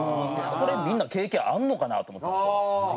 これみんな経験あるのかな？と思ったんですよ。